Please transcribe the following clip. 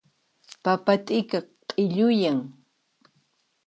Papa t'ika q'illuyan.